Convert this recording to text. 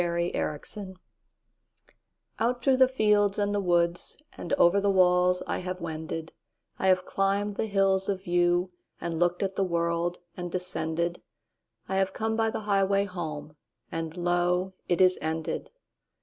Reluctance OUT through the fields and the woodsAnd over the walls I have wended;I have climbed the hills of viewAnd looked at the world, and descended;I have come by the highway home, And lo, it is ended.